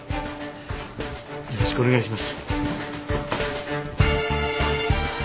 よろしくお願いします。